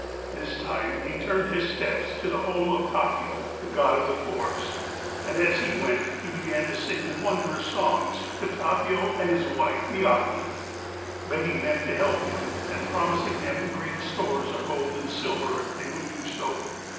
This time he turned his steps to the home of Tapio, the god of the forest, and as he went he began to sing wondrous songs to Tapio and his wife Mielikki, begging them to help him, and promising them great stores of gold and silver if they would do so.